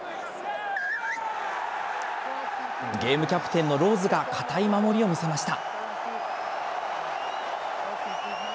ゲームキャプテンのローズが堅い守りを見せました。